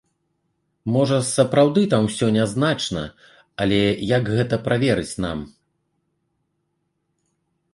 Можа, сапраўды там усё нязначна, але як гэта праверыць нам?